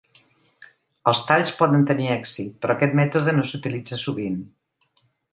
Els talls poden tenir èxit, però aquest mètode no s'utilitza sovint.